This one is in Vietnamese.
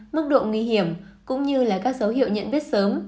mức độ nguy hiểm cũng như các dấu hiệu nhận biết sớm